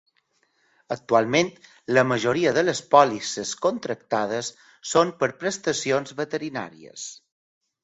Actualment la majoria de les pòlisses contractades són per prestacions veterinàries.